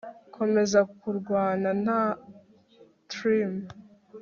komeza kurwana na trim